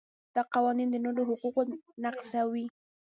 دا قوانین د نورو حقوق نقضوي.